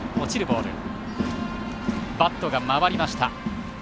バットが回りました。